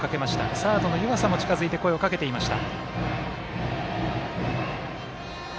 サードの湯浅も近づいて、声をかけていました。